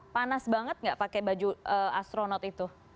panas banget nggak pakai baju astronot itu